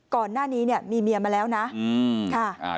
ก่อนหน้านี้มีเมียมาแล้วนะ